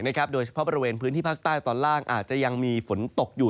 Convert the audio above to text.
โดยเฉพาะบริเวณพื้นที่ภาคใต้ตอนล่างอาจจะยังมีฝนตกอยู่